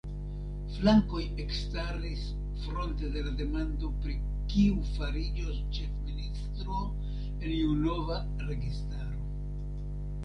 Flankoj ekstaris fronte de la demando pri kiu fariĝos ĉefministro en iu nova registaro.